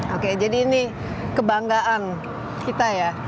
oke jadi ini kebanggaan kita ya